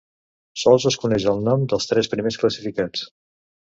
Sols es coneix el nom dels tres primers classificats.